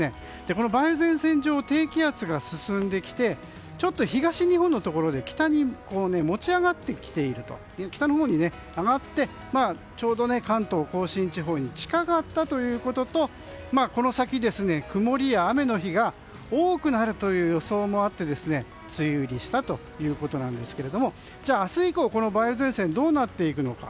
この梅雨前線上を低気圧が進んできてちょっと東日本のところで北に持ち上がってちょうど関東・甲信地方に近かったということとこの先、曇りや雨の日が多くなるという予想もあって梅雨入りしたということですが明日以降この梅雨前線どうなっていくのか。